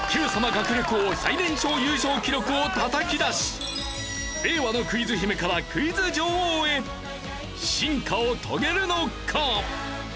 学力王最年少優勝記録をたたき出し令和のクイズ姫からクイズ女王へ進化を遂げるのか！？